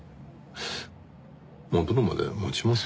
戻るまで待ちます？